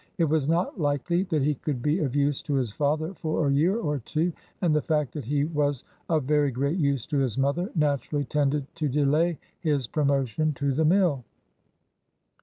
It was not likely that he could be of use to his father for a year or two, and the fact that he was of very great use to his mother naturally tended to delay his promotion to the mill.